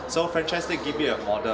jadi franchise league memberikan model